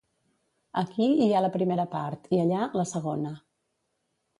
Aquí hi ha la primera part i allà, la segona.